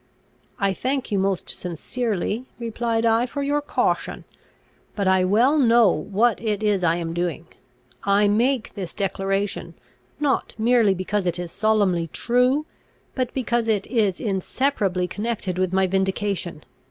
"I thank you most sincerely," replied I, "for your caution; but I well know what it is I am doing. I make this declaration, not merely because it is solemnly true, but because it is inseparably connected with my vindication.